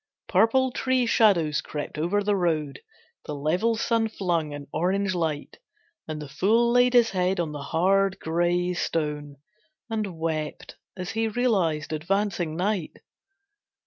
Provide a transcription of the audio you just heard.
Purple tree shadows crept over the road, The level sun flung an orange light, And the fool laid his head on the hard, gray stone And wept as he realized advancing night.